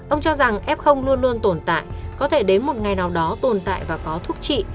ông cho rằng f luôn luôn tồn tại có thể đến một ngày nào đó tồn tại và có thuốc trị